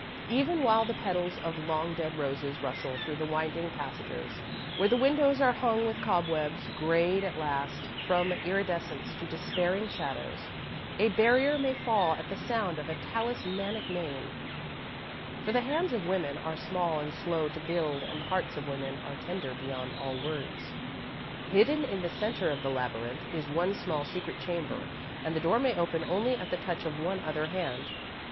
Even while the petals of long dead roses rustle through the winding passages, where the windows are hung with cobwebs, greyed at last from iridescence to despairing shadows, a barrier may fall at the sound of a talismanic name, for the hands of women are small and slow to build and the hearts of women are tender beyond all words. Hidden in the centre of the labyrinth is one small secret chamber, and the door may open only at the touch of one other hand.